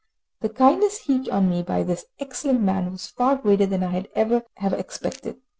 The kindness heaped on me by this excellent man was far greater than I could ever have expected.